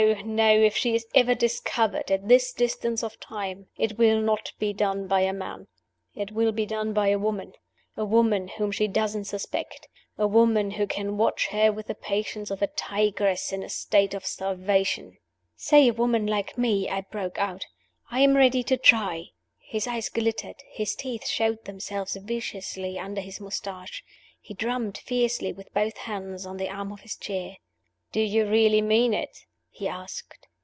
no! If she is ever discovered, at this distance of time, it will not be done by a man it will be done by a woman: a woman whom she doesn't suspect; a woman who can watch her with the patience of a tigress in a state of starvation " "Say a woman like Me!" I broke out. "I am ready to try." His eyes glittered; his teeth showed themselves viciously under his mustache; he drummed fiercely with both hands on the arms of his chair. "Do you really mean it?" he asked.